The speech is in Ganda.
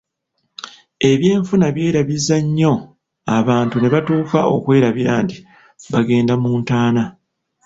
Ebyenfuna byerabiza nnyo abantu ne batuuka okwerabira nti bagenda mu ntaana.